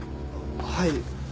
はい。